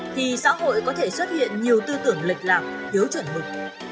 thì xã hội có thể xuất hiện nhiều tư tưởng lệch lạc thiếu chuẩn mực